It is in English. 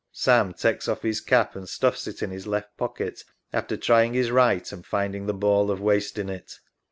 SAM (takes off his cap and stuffs it in his left pocket after trying his right and finding the ball of waste in it).